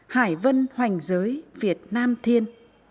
hải vân hoành giới việt nam thiên